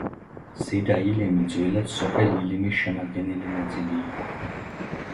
ზედა ილემი ძველად სოფელ ილემის შემადგენელი ნაწილი იყო.